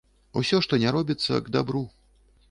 Усё, што не робіцца, к дабру.